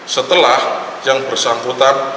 setelah yang bersamputan berangkat